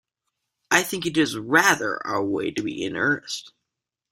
I think it is rather our way to be in earnest.